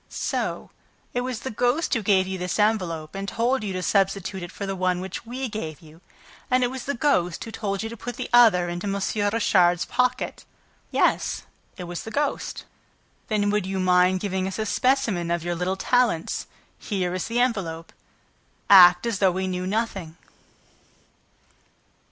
"So it was the ghost who gave you this envelope and told you to substitute it for the one which we gave you? And it was the ghost who told you to put the other into M. Richard's pocket?" "Yes, it was the ghost." "Then would you mind giving us a specimen of your little talents? Here is the envelope. Act as though we knew nothing."